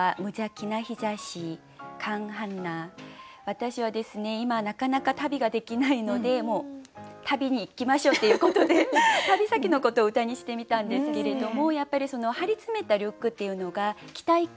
私はですね今なかなか旅ができないのでもう旅に行きましょうっていうことで旅先のことを歌にしてみたんですけれどもやっぱり「張り詰めたリュック」っていうのが期待感